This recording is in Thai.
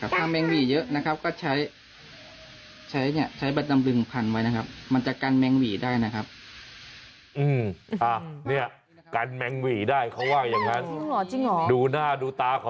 อโตเบนฟ์